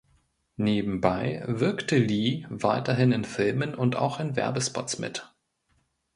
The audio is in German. Nebenbei wirkte Lee weiterhin in Filmen und auch in Werbespots mit.